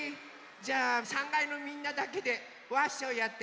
じゃ３がいのみんなだけでワッショイやって。